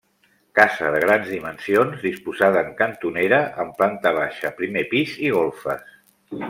Casa de grans dimensions disposada en cantonera, amb planta baixa, primer pis i golfes.